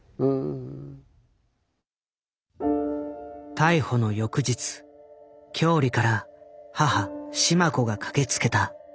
逮捕の翌日郷里から母・志満子が駆けつけた。